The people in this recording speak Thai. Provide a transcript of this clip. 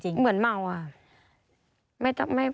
เหมือนเมา